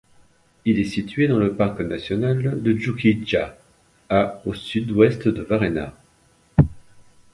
Il est situé dans le parc national de Dzūkija à au sud-ouest de Varėna.